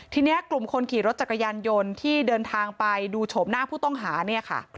ทีนี้กลุ่มคนขี่รถจักรยานยนต์ที่เดินทางไปดูโฉมหน้าผู้ต้องหาเนี่ยค่ะ